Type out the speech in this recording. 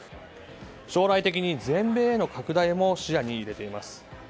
将来的に全米への拡大も視野に入れています。